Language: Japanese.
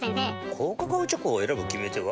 高カカオチョコを選ぶ決め手は？